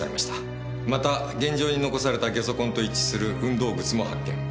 また現場に残された下足痕と一致する運動靴も発見。